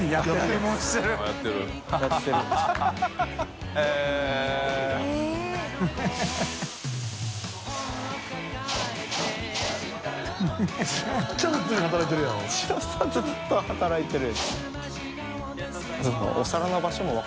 きむ）チノさんずっと働いてる。